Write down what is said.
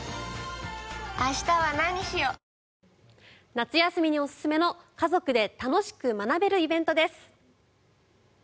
夏休みにおすすめの家族で楽しく学べるイベントです。